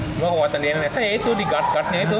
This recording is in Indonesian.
cuma kekuatan di indonesia ya itu di guard guardnya itu